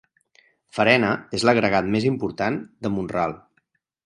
Farena és l'agregat més important de Mont-ral.